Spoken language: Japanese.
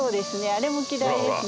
あれも季題ですね。